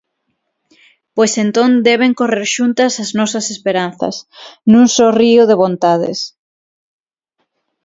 Pois entón deben correr xuntas as nosas esperanzas, nun só río de vontades.